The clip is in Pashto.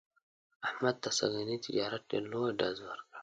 احمد ته سږني تجارت ډېر لوی ډز ور کړ.